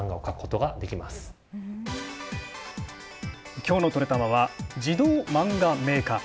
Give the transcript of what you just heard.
きょうの「トレたま」は自動マンガメーカー。